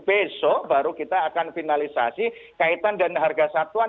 besok baru kita akan finalisasi kaitan dengan harga satuan